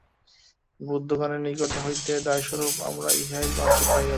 বৌদ্ধগণের নিকট হইতে দায়স্বরূপ আমরা ইহাই মাত্র পাইয়াছি।